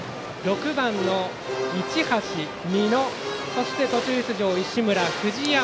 ６番の市橋、美濃そして途中出場、石村そして藤山。